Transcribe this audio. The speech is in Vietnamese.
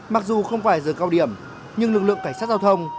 mặc dù không phải giờ cao điểm nhưng lực lượng cảnh sát giao thông